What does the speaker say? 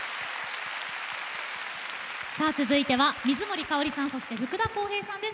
続いては水森かおりさんそして福田こうへいさんです。